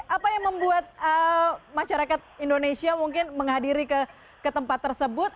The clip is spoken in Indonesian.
apa yang membuat masyarakat indonesia mungkin menghadiri ke tempat tersebut